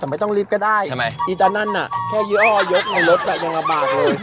อ๋อทำไมต้องรีบก็ได้อีจาร์นั่นน่ะแค่ยี่อร์ยกในรถก็ยังละบาทเลย